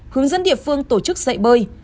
hướng dẫn địa phương tổ chức dạy bơi